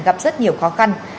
gặp rất nhiều khó khăn